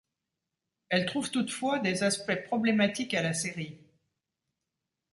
Elle trouve toutefois des aspects problématiques à la série.